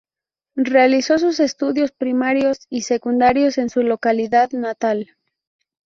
Realizó sus estudios primarios y secundarios en su localidad natal.